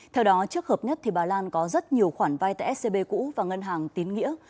theo đó trước hợp nhất bà lan có rất nhiều khoản vai tại scb cũ và ngân hàng tín nghĩa